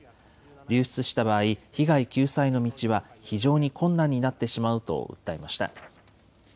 流出した場合、被害救済の道は非常に困難になってしまうと訴えました。